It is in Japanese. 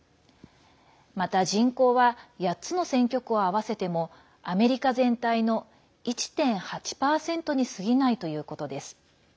また、人口は８つの選挙区を合わせてもアメリカ全体の１．８％にすぎないということです。